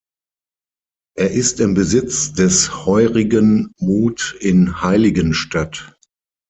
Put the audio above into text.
Er ist im Besitz des Heurigen Muth in Heiligenstadt.